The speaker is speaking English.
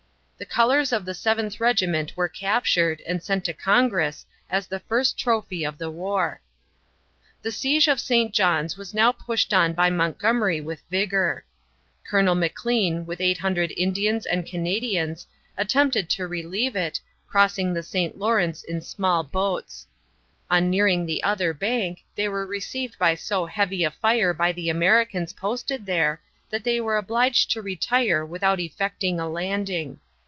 The colors of the Seventh Regiment were captured and sent to Congress as the first trophy of the war. The siege of St. John's was now pushed on by Montgomery with vigor. Colonel Maclean, with 800 Indians and Canadians, attempted to relieve it, crossing the St. Lawrence in small boats. On nearing the other bank, they were received by so heavy a fire by the Americans posted there that they were obliged to retire without effecting a landing.